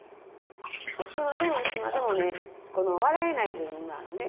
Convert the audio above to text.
いつまでもいつまでもね笑えない自分があるね。